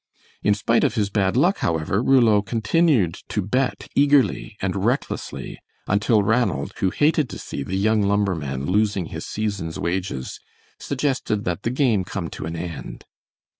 In spite of his bad luck, however, Rouleau continued to bet eagerly and recklessly, until Ranald, who hated to see the young lumberman losing his season's wages, suggested that the game come to an end.